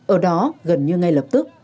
ở đó gần như ngay lập tức